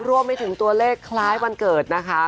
รวมไปถึงตัวเลขคล้ายวันเกิดนะคะ